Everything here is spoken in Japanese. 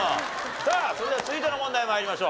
さあそれでは続いての問題参りましょう。